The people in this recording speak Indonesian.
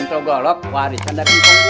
untuk lo warisan dari depan gue